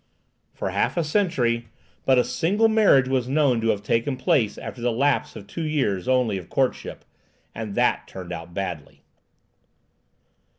For half a century but a single marriage was known to have taken place after the lapse of two years only of courtship, and that turned out badly!